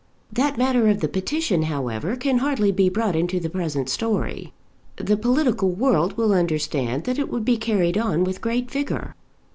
That matter of the petition, however, can hardly be brought into the present story. The political world will understand that it would be carried on with great vigour.